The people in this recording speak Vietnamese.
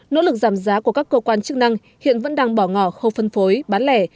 nỗ lực giảm giá của các cơ quan chức năng hiện vẫn đang bỏ ngỏ khâu phân phối bán lẻ